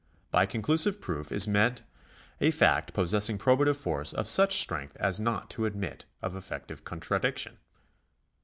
— By conclusive proof is meant a fact possessing probative force of such strength as not to admit of effective contradiction.